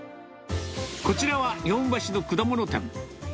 こちらは日本橋の果物店。